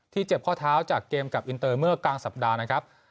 เจ็บข้อเท้าจากเกมกับอินเตอร์เมื่อกลางสัปดาห์นะครับ